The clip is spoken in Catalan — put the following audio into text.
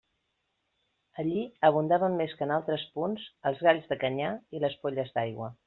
Allí abundaven més que en altres punts els galls de canyar i les polles d'aigua.